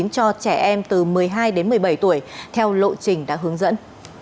cho trẻ em từ một mươi hai đến một mươi bảy tuổi theo lộ trình đã hướng dẫn